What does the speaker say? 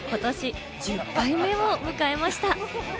ことし１０回目を迎えました。